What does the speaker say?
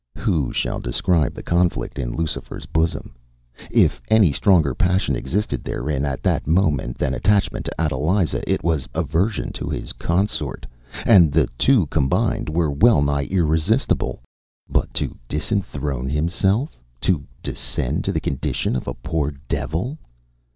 ” Who shall describe the conflict in Lucifer’s bosom? If any stronger passion existed therein at that moment than attachment to Adeliza, it was aversion to his consort, and the two combined were wellnigh irresistible. But to disenthrone himself, to descend to the condition of a poor devil!